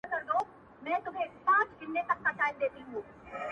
دریم لوری یې د ژوند نه دی لیدلی!!